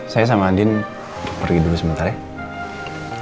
saya sama andin pergi dulu sebentar ya